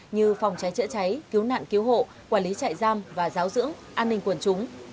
như phòng cháy chữa cháy cứu nạn cứu hộ quản lý trại giam và giáo dưỡng an ninh quần chúng